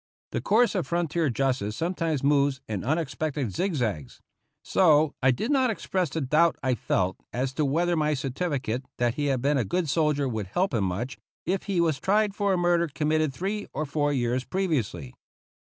" The course of frontier justice sometimes moves in unexpected zigzags ; so I did not ex press the doubt I felt as to whether my certificate that he had been a good soldier would help him much if he was tried for a murder committed three or four years previously.